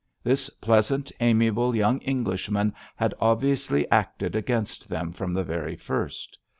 This pleasant, amiable young Englishman had obviously acted against them from the very first.